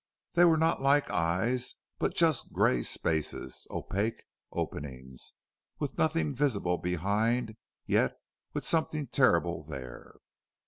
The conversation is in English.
They were not like eyes, but just gray spaces, opaque openings, with nothing visible behind, yet with something terrible there.